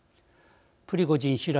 プリゴジン氏ら